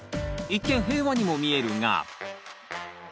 一見平和にも見えるが。